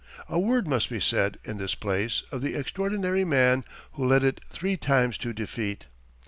A word must be said, in this place, of the extraordinary man who led it three times to defeat.